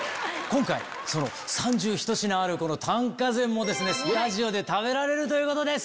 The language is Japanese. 今回３１品あるこの短歌膳もスタジオで食べられるということです。